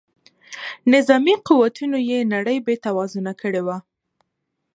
نظامي قوتونو یې نړۍ بې توازونه کړې وه.